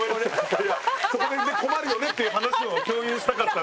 そこでね困るよねっていう話を共有したかったんですけど。